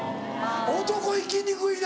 男行きにくいな。